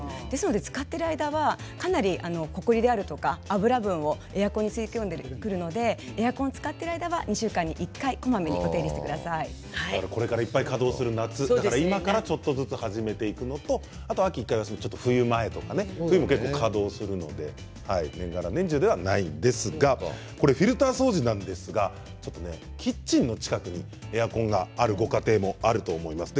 使っている間はかなりほこりや油分をエアコンに吸い込んでくるのでエアコンを使っている間は２週間に１回これからいっぱい稼働する夏、今からちょっとずつ始めていくのと秋を休めて、冬前とかね冬も結構、稼働するので年がら年中ではないんですがフィルター掃除なんですがちょっとキッチンの近くにエアコンがあるご家庭もあると思います。